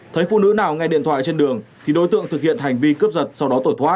thấy phụ nữ nào nghe điện thoại trên đường thì đối tượng thực hiện hành vi cướp giật sau đó tổ thoát